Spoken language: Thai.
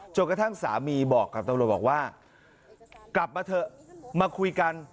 กระทั่งสามีบอกกับตำรวจบอกว่ากลับมาเถอะมาคุยกัน